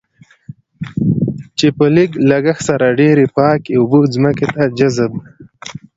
چې په لږ لګښت سره ډېرې پاکې اوبه ځمکې ته جذب.